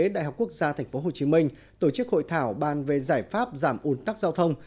đại học quốc gia tp hcm tổ chức hội thảo bàn về giải pháp giảm ủn tắc giao thông